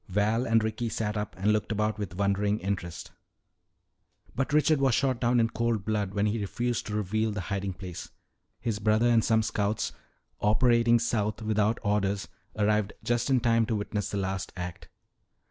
Val and Ricky sat up and looked about with wondering interest. "But Richard was shot down in cold blood when he refused to reveal the hiding place. His brother and some scouts, operating south without orders, arrived just in time to witness the last act.